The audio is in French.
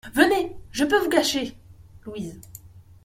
Venez ! je peux vous cacher ! LOUISE.